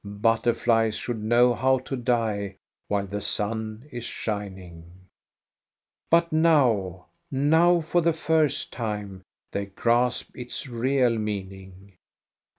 Butterflies should know how to die while the sun is shining. But now, now for the first time, they grasp its real meaning.